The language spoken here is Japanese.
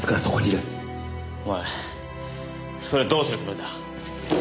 お前それどうするつもりだ？